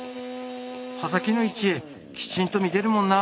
刃先の位置きちんと見てるもんな。